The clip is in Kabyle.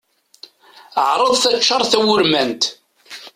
Ɛṛeḍ taččart tawurmant.